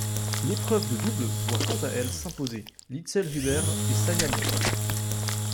L'épreuve de double voit quant à elle s'imposer Liezel Huber et Sania Mirza.